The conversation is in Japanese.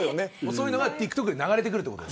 そういうのがＴｉｋＴｏｋで流れてくるってこと。